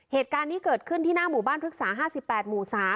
เหตุการณ์นี้เกิดขึ้นที่หน้าหมู่บ้านพฤกษา๕๘หมู่๓